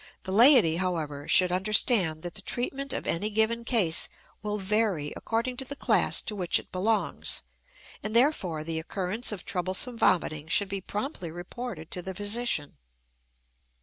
The laity, however, should understand that the treatment of any given case will vary according to the class to which it belongs, and therefore the occurrence of troublesome vomiting should be promptly reported to the physician.